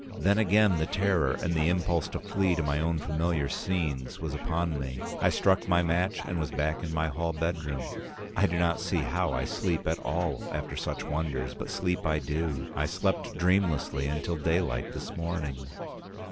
Then again the terror and the impulse to flee to my own familiar scenes was upon me. I struck my match and was back in my hall bedroom. I do not see how I sleep at all after such wonders, but sleep I do. I slept dreamlessly until daylight this morning.